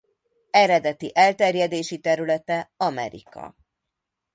Eredeti elterjedési területe Amerika.